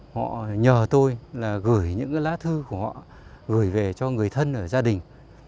họ nhờ tôi là gửi những lá thư của họ gửi về cho người thân ở gia đình